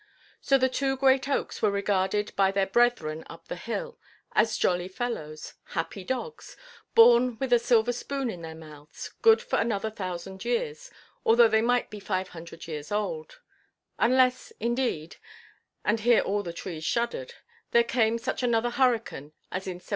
So the two great oaks were regarded by their brethren up the hill as jolly fellows, happy dogs, born with a silver spoon in their mouths, good for another thousand years, although they might be five hundred old; unless, indeed—and here all the trees shuddered—there came such another hurricane as in 1703.